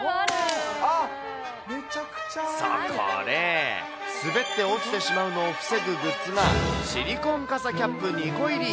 そこで滑って落ちてしまうのを防ぐグッズが、シリコンキャップ２個入り。